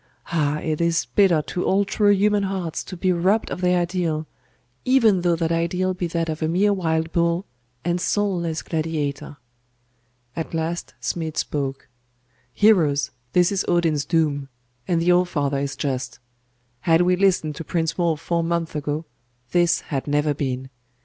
Ah, it is bitter to all true human hearts to be robbed of their ideal, even though that ideal be that of a mere wild bull, and soulless gladiator.... At last Smid spoke 'Heroes, this is Odin's doom; and the All father is just. Had we listened to Prince Wulf four months ago, this had never been.